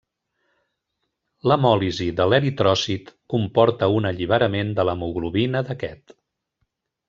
L'hemòlisi de l'eritròcit comporta un alliberament de l'hemoglobina d'aquest.